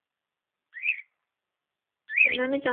简单讲就是时间不足